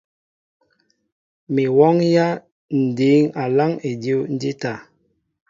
Mi m̀wɔ́ŋyā Ǹ dǐŋ aláŋ edíw ǹjíta.